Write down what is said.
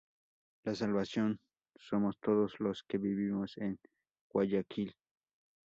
La salvación somos todos los que vivimos en Guayaquil".